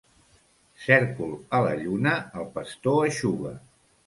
Cèrcol a la lluna el pastor eixuga.